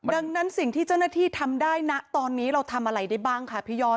ดังนั้นสิ่งที่เจ้าหน้าที่ทำได้นะตอนนี้เราทำอะไรได้บ้างคะพี่ยอด